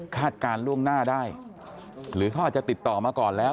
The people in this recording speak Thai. การล่วงหน้าได้หรือเขาอาจจะติดต่อมาก่อนแล้ว